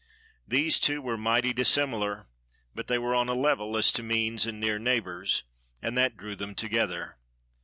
These two were mighty dissimilar, but they were on a level as to means and near neighbors, and that drew them together.